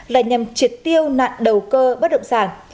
là nhằm triệt tiêu nạn đầu cơ bất động sản